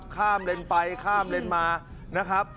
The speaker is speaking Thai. ข้ามเลนไปข้ามเลนมา